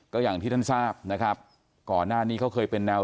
ก็อย่างที่ท่านทราบนะครับ